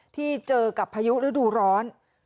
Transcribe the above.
ที่เจอกับพายุฤดูร้อน